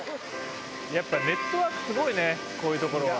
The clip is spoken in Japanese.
やっぱネットワークすごいねこういうところは。